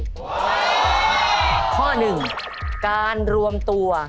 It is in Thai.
ข้อหนึ่งการรวมตัว